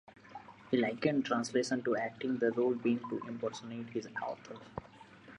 He likened translation to acting, the role being "to impersonate his author".